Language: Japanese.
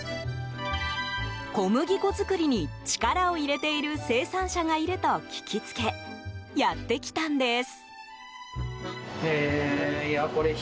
小麦粉作りに力を入れている生産者がいると聞きつけやってきたんです。